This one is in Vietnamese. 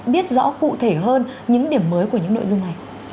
biết rõ cụ thể hơn những điểm mới của những nội dung này